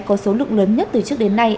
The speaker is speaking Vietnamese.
có số lượng lớn nhất từ trước đến nay